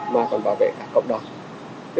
mà còn bảo vệ cả cộng đồng